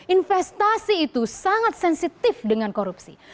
investasi itu sangat sensitif dengan korupsi